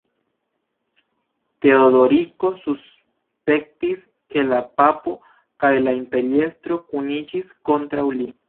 Teodoriko suspektis ke la papo kaj la imperiestro kuniĝis kontraŭ li.